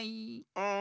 うん。